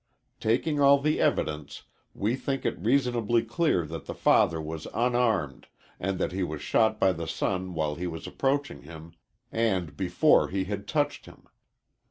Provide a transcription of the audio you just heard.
Taking all the evidence, we think it reasonably clear that the father was unarmed and that he was shot by the son while he was approaching him, and before he had touched him.